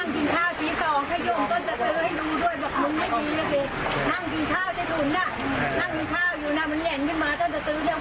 บอกวิ่งครึ่งเลือนไปหมดเลย